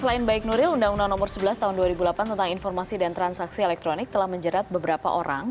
selain baik nuril undang undang nomor sebelas tahun dua ribu delapan tentang informasi dan transaksi elektronik telah menjerat beberapa orang